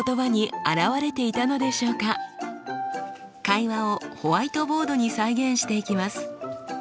会話をホワイトボードに再現していきます。